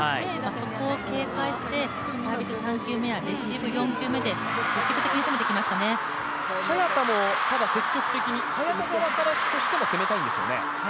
そこを警戒して、サービス３球目やレシーブ４球目は早田も積極的に、早田側からしても攻めたいんですよね。